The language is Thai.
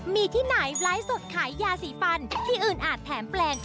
มีที่ไหนไลฟ์สดขายยาสีฟันที่อื่นอาจแถมแปลง